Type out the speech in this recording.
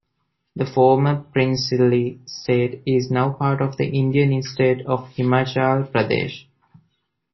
The former princely state is now part of the Indian state of Himachal Pradesh.